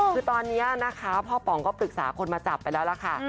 คือตอนนี้นะคะพ่อป๋องก็ปรึกษาคนมาจับไปแล้วล่ะค่ะ